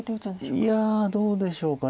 いやどうでしょうか。